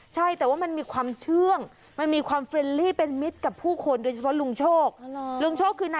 ใช่แต่ว่ามันมีความเชื่องมันมีความเฟรนลี่เป็นมิตรกับผู้คน